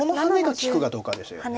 利くかどうかですよね。